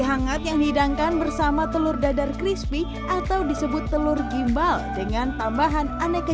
hangat yang dihidangkan bersama telur dadar crispy atau disebut telur gimbal dengan tambahan aneka